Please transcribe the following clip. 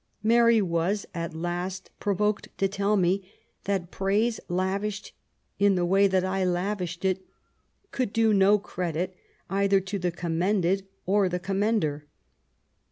Mary was at last provoked to tell me that praise, lavished in the way that I lavished it, could do no credit either to the commended or the commender.